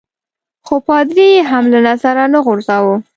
خو پادري يي هم له نظره نه غورځاوه.